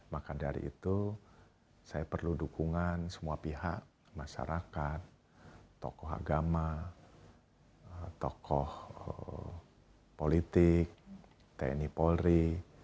maka dari itu saya perlu dukungan semua pihak masyarakat tokoh agama tokoh politik tni polri